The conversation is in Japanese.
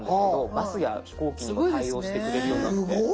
バスや飛行機にも対応してくれることになって。